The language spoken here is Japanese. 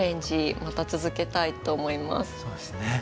そうですね。